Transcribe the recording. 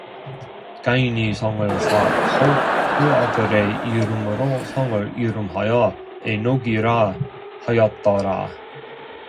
가인이 성을 쌓고 그 아들의 이름으로 성을 이름하여 에녹이라 하였더라